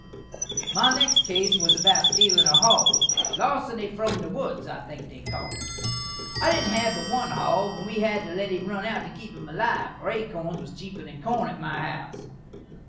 My next case was about steelin' a hog. Larseny from the woods, I think they call it. I didn't hav but one hog, and we had to let him run out to keep him alive, for akorns was cheeper than corn at my house.